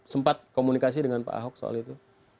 sempat komunikasi dengan pak ahok soal itu